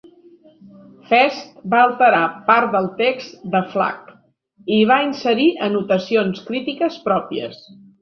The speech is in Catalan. Fest va alterar part del text de Flac i hi va inserir anotacions crítiques pròpies.